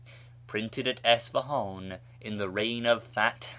rrinted at Isfalii'in in the reign of Fatl.